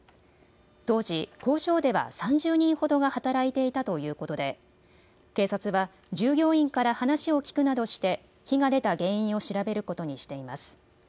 当時、工場では３０人ほどが働いていたということで警察は従業員から話を聞くなどして火が出た原因を調べることにしています。